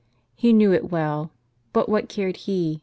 He knew it well ; but Avhat cared he